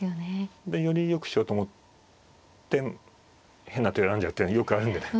でよりよくしようと思って変な手を選んじゃうってのよくあるんでね。